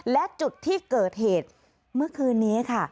และจุดที่เกิดเหตุเมื่อคืนนี้ค่ะ